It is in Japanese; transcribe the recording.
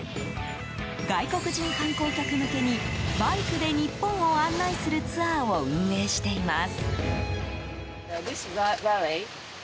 外国人観光客向けにバイクで日本を案内するツアーを運営しています。